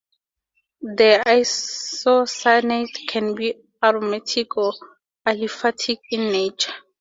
The isocyanate can be aromatic or aliphatic in nature.